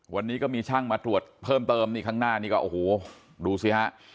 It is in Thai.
วันนี้ก็มีช่างมาตรวจเพิ่มเติมนี่ข้างหน้านี่ก็โอ้โหดูสิฮะ